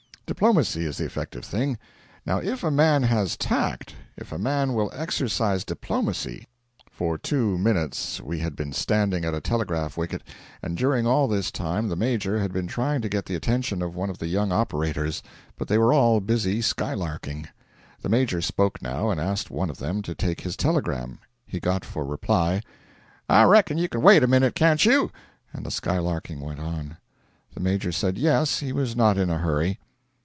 Diplomacy is the effective thing. Now if a man has tact if a man will exercise diplomacy ' For two minutes we had been standing at a telegraph wicket, and during all this time the Major had been trying to get the attention of one of the young operators, but they were all busy skylarking. The Major spoke now, and asked one of them to take his telegram. He got for reply: 'I reckon you can wait a minute, can't you?' And the skylarking went on. The Major said yes, he was not in a hurry.